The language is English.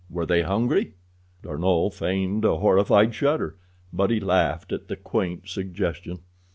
Were they hungry?" D'Arnot feigned a horrified shudder, but he laughed at the quaint suggestion.